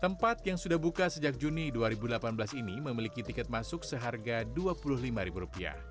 tempat yang sudah buka sejak juni dua ribu delapan belas ini memiliki tiket masuk seharga rp dua puluh lima